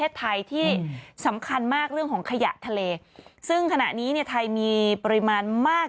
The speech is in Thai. ซึ่งขณะนี้ไทยมีปริมาณมาก